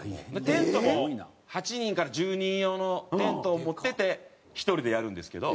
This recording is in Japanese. テントも８人から１０人用のテントを持っていって１人でやるんですけど。